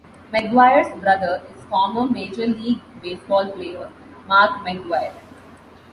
McGwire's brother is former Major League Baseball player Mark McGwire.